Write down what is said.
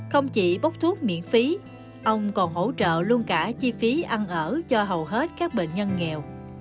không chỉ bốc thuốc miễn phí ông còn hỗ trợ luôn cả chi phí ăn ở cho hầu hết các bệnh nhân nghèo